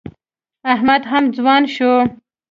احمد هم ځوان شو.